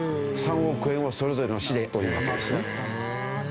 ３億円をそれぞれの市でというわけですね。